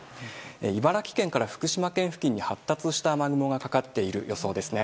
茨城県から福島県付近に発達した雨雲がかかっている予想ですね。